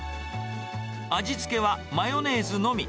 味付けはマヨネーズのみ。